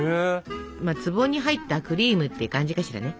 「壺に入ったクリーム」って感じかしらね。